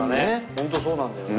ホントそうなんだよね。